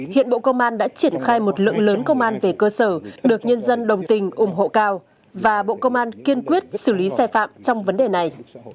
hiện bộ công an đã triển khai một lượng lớn công an về cơ sở được nhân dân đồng tình ủng hộ cao và bộ công an kiên quyết xử lý xe phạm trong vấn đề này